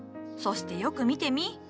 そしてよく見てみ。